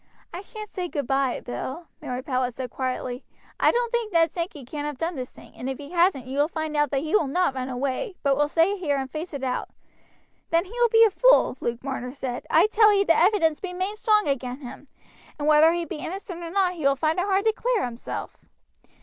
"I shan't say goodby, Bill," Mary Powlett said quietly. "I don't think Ned Sankey can have done this thing, and if he hasn't you will find that he will not run away, but will stay here and face it out." "Then he will be a fool," Luke Marner said. "I tell ee the evidence be main strong agin him, and whether he be innocent or not he will find it hard to clear hisself.